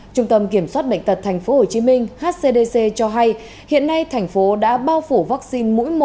trung tâm kiểm soát bệnh tật tp hcm hcdc cho hay hiện nay thành phố đã bao phủ vaccine mũi một